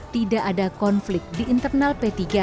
tidak ada konflik di internal p tiga